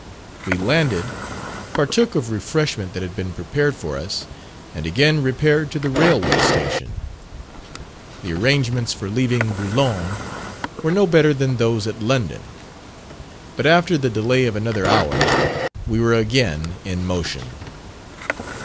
We landed, partook of refreshment that had been prepared for us, and again repaired to the railway station. The arrangements for leaving Boulogne were no better than those at London. But after the delay of another hour, we were again in motion.